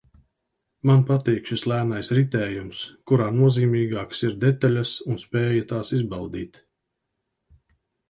Man patīk šis lēnais ritējums, kurā nozīmīgākas ir detaļas un spēja tās izbaudīt